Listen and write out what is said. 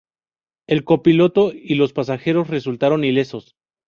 El copiloto y los pasajeros resultaron ilesos.